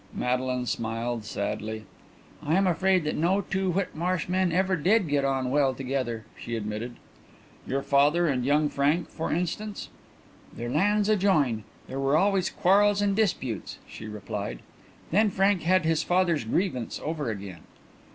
Madeline smiled sadly. "I am afraid that no two Whitmarsh men ever did get on well together," she admitted. "Your father and young Frank, for instance?" "Their lands adjoin; there were always quarrels and disputes," she replied. "Then Frank had his father's grievance over again."